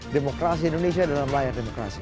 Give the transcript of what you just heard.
demokrasi indonesia dalam layar demokrasi